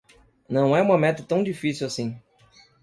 Não é uma meta tão difícil assim.